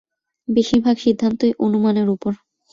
বেশির ভাগ সিদ্ধান্তই অনুমানের ওপর।